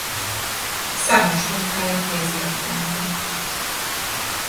Számos munkája kéziratban maradt.